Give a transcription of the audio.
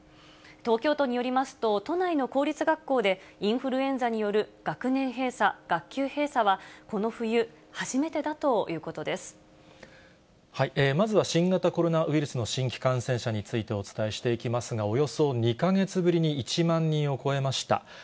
東京都によりますと、都内の公立学校でインフルエンザによる学年閉鎖、学級閉鎖はこのまずは新型コロナウイルスの新規感染者についてお伝えしていきますが、およそ２か月ぶりに１万人を超えました。